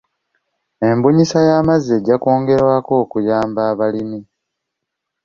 Embunyisa y'amazzi ejja kwongerwako okuyamba abalimi.